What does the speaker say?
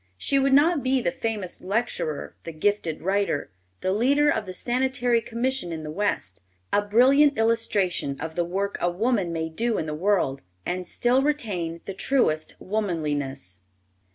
She would not be the famous lecturer, the gifted writer, the leader of the Sanitary Commission in the West; a brilliant illustration of the work a woman may do in the world, and still retain the truest womanliness.